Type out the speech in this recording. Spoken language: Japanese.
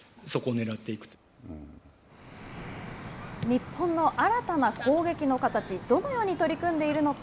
日本の新たな攻撃の形どのように取り組んでいるのか。